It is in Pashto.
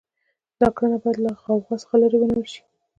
دا کړنه باید له غوغا څخه لرې ونیول شي.